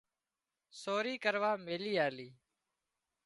سوري ڪروا ميلي آلي